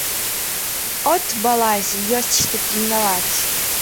От, балазе, ёсць што пільнаваць.